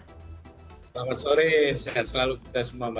selamat sore sehat selalu kepada semua bapak ibu